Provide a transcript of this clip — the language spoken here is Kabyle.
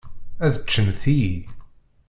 Ad ččen tiyi.